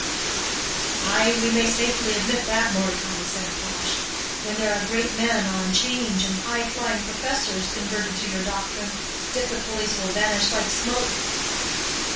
"Ay, we may safely admit that, Mordecai," said Pash. "When there are great men on 'Change, and high flying professors converted to your doctrine, difficulties will vanish like smoke."